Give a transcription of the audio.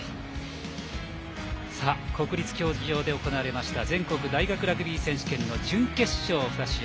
国立競技場で行われました全国大学ラグビー選手権の準決勝の２試合